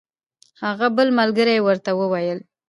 هغه بل ملګري یې ورته وویل.